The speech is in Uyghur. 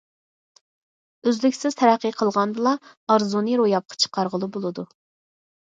ئۈزلۈكسىز تەرەققىي قىلغاندىلا، ئارزۇنى روياپقا چىقارغىلى بولىدۇ.